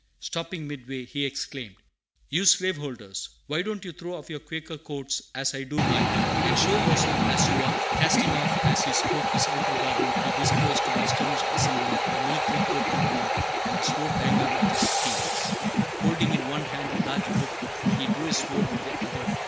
Stopping midway, he exclaimed, "You slaveholders! Why don't you throw off your Quaker coats as I do mine, and show yourselves as you are?" Casting off as he spoke his outer garment, he disclosed to the astonished assembly a military coat underneath and a sword dangling at his heels. Holding in one hand a large book, he drew his sword with the other.